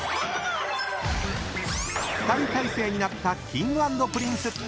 ［２人体制になったＫｉｎｇ＆Ｐｒｉｎｃｅ］